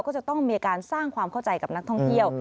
ก็จะต้องมีการสร้างความเข้าใจกับนักท่องเที่ยว